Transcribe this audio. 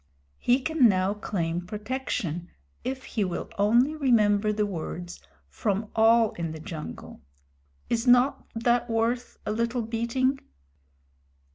He can now claim protection, if he will only remember the words, from all in the jungle. Is not that worth a little beating?"